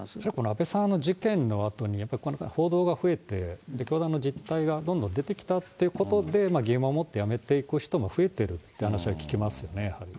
安倍さんの事件のあとに、やっぱり報道が増えて、教団の実態がどんどん出てきたってことで、疑問を持ってやめていく人も増えているという話は聞きますよね、やはり。